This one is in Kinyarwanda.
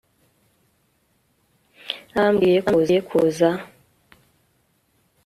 ariko ko utambwiye ko uza